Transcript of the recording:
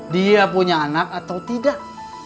dia punya anak atau tidak